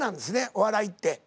お笑いって。